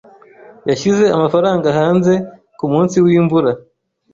Yashyize amafaranga hanze kumunsi wimvura.